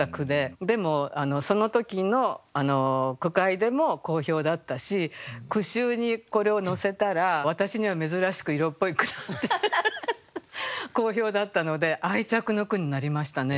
でもその時の句会でも好評だったし句集にこれを載せたら私には珍しく色っぽい句だって好評だったので愛着の句になりましたね。